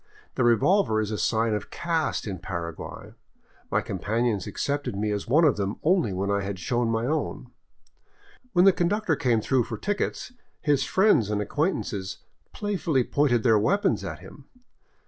The revolver is a sign of caste in Paraguay ; my companions accepted me as one of them only when I had shown my own. When the con ductor came through for tickets, his friends and acquaintances play fully pointed their weapons at him.